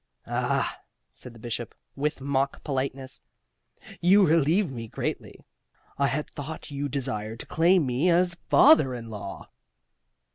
"Ah?" said the Bishop, with mock politeness. "You relieve me greatly. I had thought you desired to claim me as father in law."